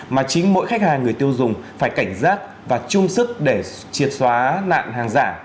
mà chính mỗi khách hàng người tiêu dùng phải cảnh giác và chung sức để triệt xóa nạn hàng giả